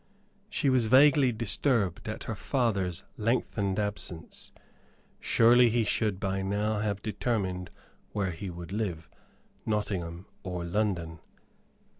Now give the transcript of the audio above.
She was vaguely disturbed at her father's lengthened absence. Surely he should by now have determined where he would live Nottingham or London.